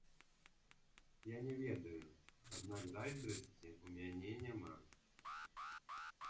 Я не ведаю, аднак зайздрасці ў мяне няма.